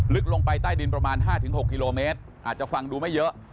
ลงไปใต้ดินประมาณ๕๖กิโลเมตรอาจจะฟังดูไม่เยอะ